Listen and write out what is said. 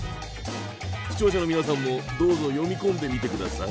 視聴者の皆さんもどうぞ読み込んでみて下さい。